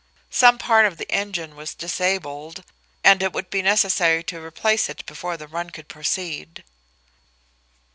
Some part of the engine was disabled, and it would be necessary to replace it before the "run" could proceed.